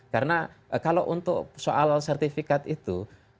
karena kalau untuk soal sertifikat itu